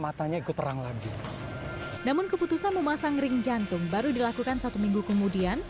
matanya ikut terang lagi namun keputusan memasang ring jantung baru dilakukan satu minggu kemudian